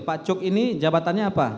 pak cuk ini jabatannya apa